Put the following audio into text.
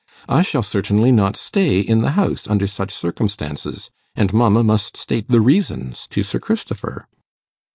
I shall certainly not stay in the house under such circumstances, and mamma must state the reasons to Sir Christopher.